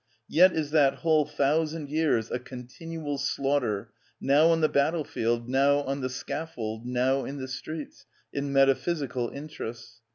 Yet is that whole thousand years a continual slaughter, now on the battlefield, now on the scaffold, now in the streets, in metaphysical interests!